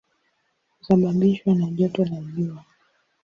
Husababishwa na joto la jua.